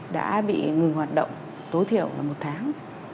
đã bị ngừng hoạt động tối thiểu là một tháng